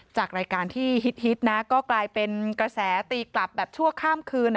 จากรายการที่ฮิตนะก็กลายเป็นกระแสตีกลับแบบชั่วข้ามคืน